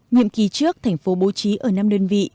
nhiệm kỳ trước thành phố bố trí ở năm đơn vị